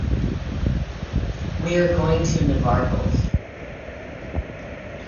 We’re going to Navarcles.